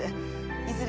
いずれ